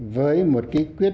với một ký quyết